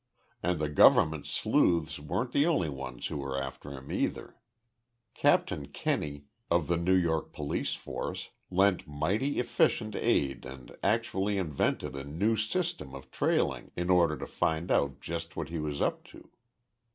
And the government's sleuths weren't the only ones who were after him, either. Captain Kenney, of the New York Police Force, lent mighty efficient aid and actually invented a new system of trailing in order to find out just what he was up to.